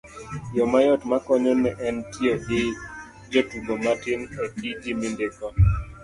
yo mayot makonyo en tiyo gi jotugo matin e tiji mindiko